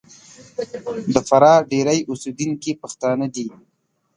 د فراه ډېری اوسېدونکي پښتانه دي.